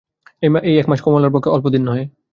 এই এক মাস কমলার পক্ষে অল্পদিন নহে।